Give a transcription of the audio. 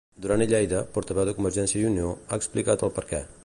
Duran i Lleida, portaveu de Convergiència i Unió, ha explicat el perquè.